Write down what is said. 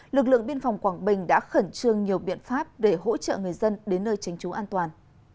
lực lượng biên phòng quảng bình đã khẩn trương nhiều biện pháp để hỗ trợ người dân đến nơi tránh trú an toàn